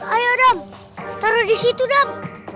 ayo dam taruh di situ dam